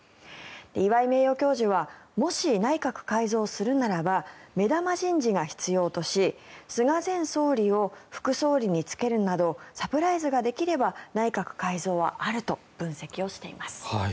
岩井名誉教授はもし内閣改造をするならば目玉人事が必要とし菅前総理を副総理に就けるなどサプライズができれば内閣改造はあると分析をしています。